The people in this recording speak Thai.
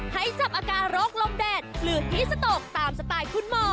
ให้จับอาการโรคลมแดดหรือฮีสโตกตามสไตล์คุณหมอ